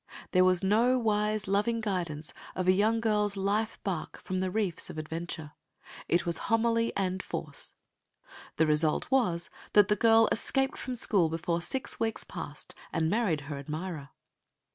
There was no wise, loving guidance of a young girl's life barque from the reefs of adventure. It was homily and force. The result was, that the girl escaped from school before six weeks passed, and married her admirer.